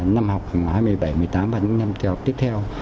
năm học hai mươi bảy một mươi tám và những năm theo học tiếp theo